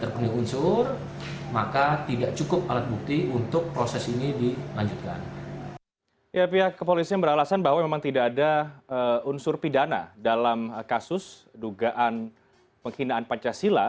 pemanggangan polisnya beralasan bahwa memang tidak ada unsur pidana dalam kasus dugaan pengkhinaan pancasila